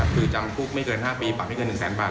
คือจำคุกไม่เกิน๕ปีปรับไม่เกิน๑แสนบาท